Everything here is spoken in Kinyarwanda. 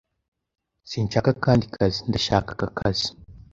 Sinshaka akandi kazi. Ndashaka aka kazi.